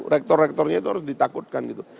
rektor rektornya itu harus ditakutkan gitu